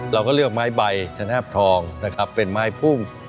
เราก็เลือกไม้ใบสนาบทองเป็นไม้พุ่ม